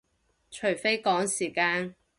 除非趕時間